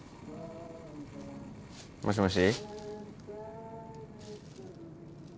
もしもし？